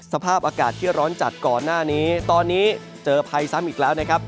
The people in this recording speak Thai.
สภาพอากาศที่ร้อนจัดก่อนหน้านี้ตอนนี้เจอภัยซ้ำอีกแล้วนะครับ